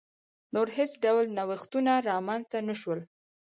نور هېڅ ډول نوښتونه رامنځته نه شول.